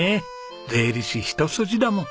税理士一筋だもん。